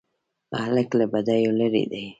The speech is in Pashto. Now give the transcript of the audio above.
هلک له بدیو لیرې دی.